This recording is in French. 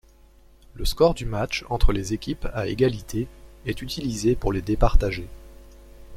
Le score du match entre les équipes à égalité est utilisé pour les départager.